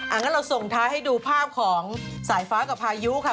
งั้นเราส่งท้ายให้ดูภาพของสายฟ้ากับพายุค่ะ